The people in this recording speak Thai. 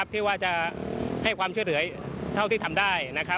ที่ว่าจะให้ความช่วยเหลือเท่าที่ทำได้